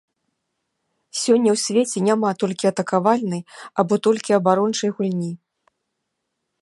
Сёння ў свеце няма толькі атакавальнай або толькі абарончай гульні.